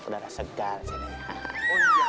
udara segar sini